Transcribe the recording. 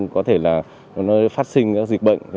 có thể là phát sinh các dịch bệnh